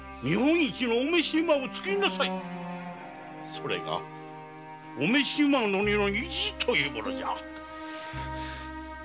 それが御召馬乗りの意地というものじゃ。